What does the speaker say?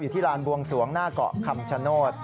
ที่ลานบวงสวงหน้าเกาะคำชโนธ